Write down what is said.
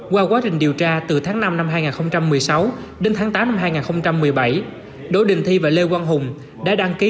qua quá trình điều tra từ tháng năm năm hai nghìn một mươi sáu đến tháng tám năm hai nghìn một mươi bảy đỗ đình thi và lê quang hùng đã đăng ký